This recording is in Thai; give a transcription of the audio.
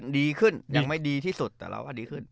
ดีขึ้นยังไม่ดีที่สุดแต่เราก็ดีขึ้น